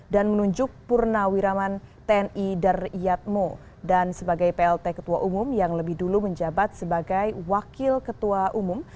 dan menunjuk purnawiraman tni daryatmo dan sebagai plt ketua umum yang lebih dulu menjabat sebagai wakil ketua umum